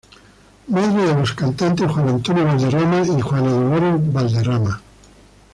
Madre de los cantantes Juan Antonio Valderrama y Juana Dolores Valderrama.